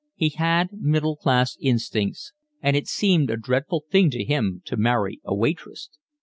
He had middle class instincts, and it seemed a dreadful thing to him to marry a waitress.